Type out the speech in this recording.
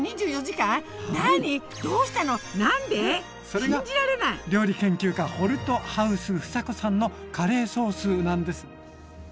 それが料理研究家ホルトハウス房子さんのカレーソースなんです。